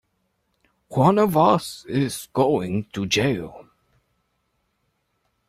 One of us is going to jail!